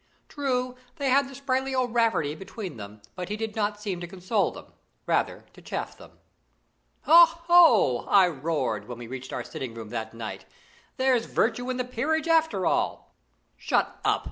True, they had the sprightly O'Rafferty between them, but he did not seem to console them rather to chaff them. "Ho! ho!" I roared, when we reached our sitting room that night. "There's virtue in the peerage after all." "Shut up!"